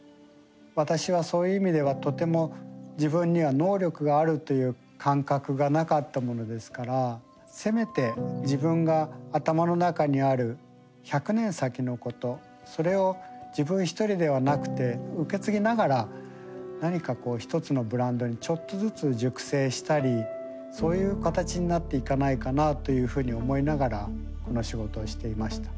私はそういう意味ではとても自分には能力があるという感覚がなかったものですからせめて自分が頭の中にある１００年先のことそれを自分一人ではなくて受け継ぎながら何かこう一つのブランドにちょっとずつ熟成したりそういう形になっていかないかなというふうに思いながらこの仕事をしていました。